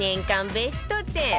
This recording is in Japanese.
ベスト１０